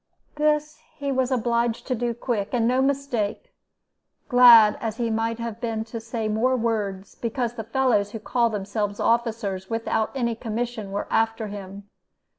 "This he was obliged to do quick, and no mistake, glad as he might have been to say more words, because the fellows who call themselves officers, without any commission, were after him.